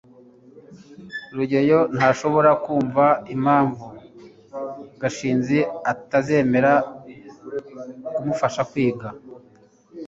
rugeyo ntashobora kumva impamvu gashinzi atazemera kumufasha kwiga